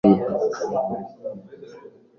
Sinshobora kwihanganira imyitwarire ye.